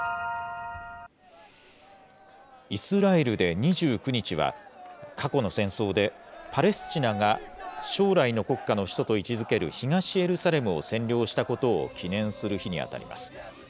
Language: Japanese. イスラエルで２９日は、過去の戦争でパレスチナが将来の国家の首都と位置づける東エルサレムを占領したことを記念する日に当たります。